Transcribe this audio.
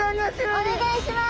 おねがいします。